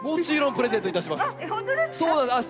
プレゼントいたします。